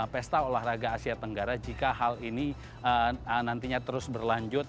pesta olahraga asia tenggara jika hal ini nantinya terus berlanjut